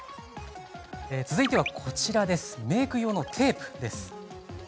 続いてはこちらメーク用のテープです。